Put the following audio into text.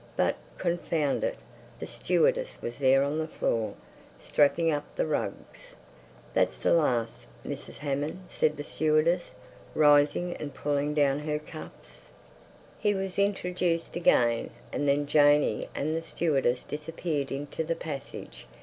But—confound it!—the stewardess was there on the floor, strapping up the rugs. "That's the last, Mrs. Hammond," said the stewardess, rising and pulling down her cuffs. He was introduced again, and then Janey and the stewardess disappeared into the passage.